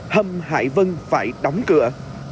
hầm hải vân phải đóng cửa